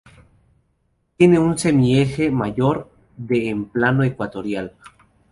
Tiene un semieje mayor de en el plano ecuatorial.